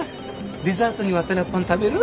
デザートにワタラッパン食べる？